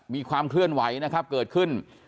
มีความเคลื่อนไหวนะครับเกิดขึ้น